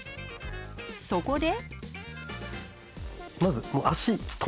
そこで。